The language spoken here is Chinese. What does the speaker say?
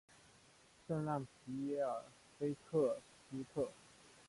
圣让皮耶尔菲克斯特。